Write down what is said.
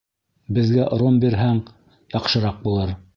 Беҙгә ром бирһәң, яҡшыраҡ булыр.